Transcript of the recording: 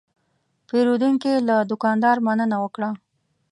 پیرودونکی له دوکاندار مننه وکړه.